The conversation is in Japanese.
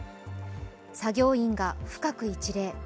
作業員が深く一礼。